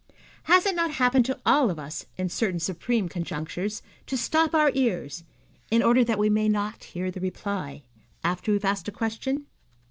Has it not happened to all of us, in certain supreme conjunctures, to stop our ears in order that we may not hear the reply, after we have asked a question?